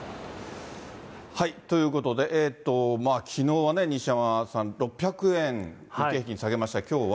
ということで、きのうはね、西山さん、６００円、日経平均下げました、きょうは。